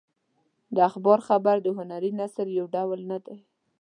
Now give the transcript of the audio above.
د اخبار خبر د هنري نثر یو ډول نه دی.